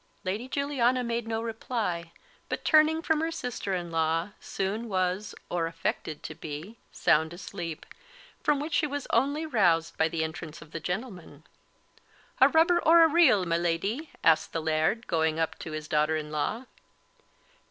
Lady Juliana made no reply, but turning from her sister in law, soon was, or affected to be, sound a sleep, from which she was only roused by the entrance of the gentlemen. "A rubber or a reel, my Leddie?" asked the Laird, going up to his daughter in law.